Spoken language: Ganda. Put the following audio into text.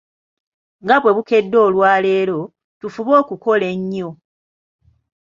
Nga bwe bukedde olwaleero, tufube okukola ennyo.